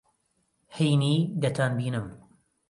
ھەینی دەتانبینم.